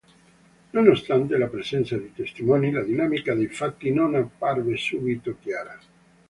Nonostante la presenza di testimoni, la dinamica dei fatti non apparve subito chiara.